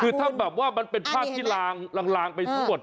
คือถ้าแบบว่ามันเป็นภาพที่ลางไปทั้งหมด